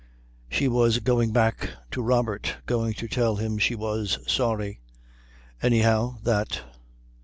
She was going back to Robert, going to tell him she was sorry. Anyhow that.